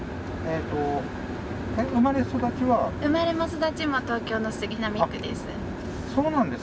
生まれも育ちも東京の杉並区です。